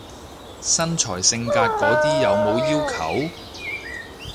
身材性格嗰啲冇要求？